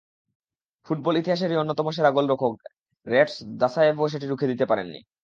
Football ইতিহাসেরই অন্যতম সেরা গোলরক্ষক র্যাটস দাসায়েভও সেটি রুখে দিতে পারেননি।